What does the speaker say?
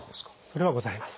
それはございます。